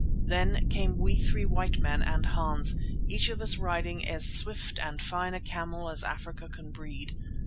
Then came we three white men and Hans, each of us riding as swift and fine a camel as Africa can breed.